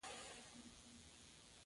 نظیف شهراني پر داخلي استعمار ټینګار کوي.